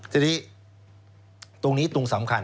ทีนี้ตรงนี้ตรงสำคัญ